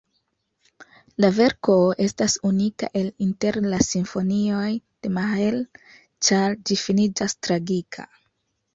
La verko estas unika el inter la simfonioj de Mahler, ĉar ĝi finiĝas tragika.